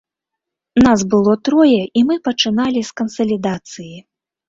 Нас было трое, і мы пачыналі з кансалідацыі.